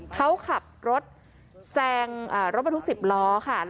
เขาขับรถแซงรถประทุก๑๐ล้อ